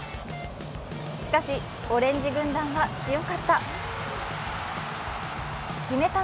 しかしオレンジ軍団は強かった。